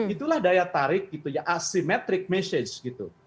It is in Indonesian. itulah daya tarik gitu ya asimetric message gitu